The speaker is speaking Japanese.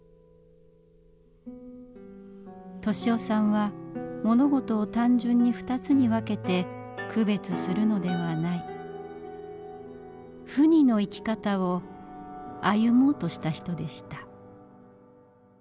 利雄さんは物事を単純に二つに分けて区別するのではない「不二」の生き方を歩もうとした人でした。